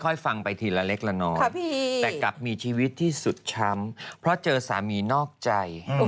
ฟังไปทีละเล็กละน้อยแต่กลับมีชีวิตที่สุดช้ำเพราะเจอสามีนอกใจ